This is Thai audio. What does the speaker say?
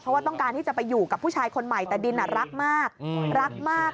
เพราะว่าต้องการที่จะไปอยู่กับผู้ชายคนใหม่แต่ดินรักมากรักมาก